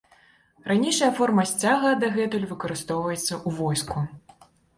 Ранейшая форма сцяга дагэтуль выкарыстоўваецца ў войску.